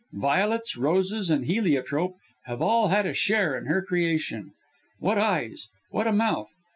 Violets, roses, and heliotrope have all had a share in her creation! What eyes, what a mouth!